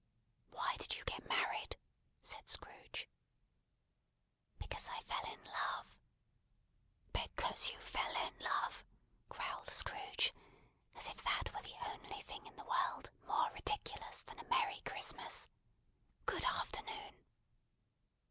"Why did you get married?" said Scrooge. "Because I fell in love." "Because you fell in love!" growled Scrooge, as if that were the only one thing in the world more ridiculous than a merry Christmas. "Good afternoon!"